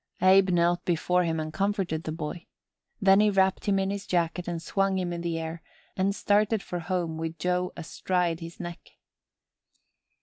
Abe knelt before him and comforted the boy. Then he wrapped him in his jacket and swung him in the air and started for home with Joe astride his neck.